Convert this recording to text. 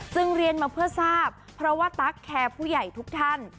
ซึ่งเรียนมาเพื่อทราบเพราะว่าตั๊กแคร์ผู้ใหญ่ทุกท่าน